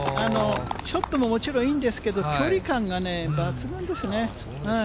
ショットももちろんいいんですけど、距離感がね、抜群ですね。